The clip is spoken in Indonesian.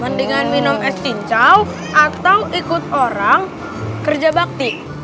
mendingan minum es cincau atau ikut orang kerja bakti